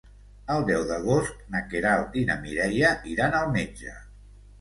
El deu d'agost na Queralt i na Mireia iran al metge.